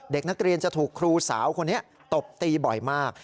เด็กนักเรียนจะถูกครูสาวคนนี้ตบตีบ่อยมาก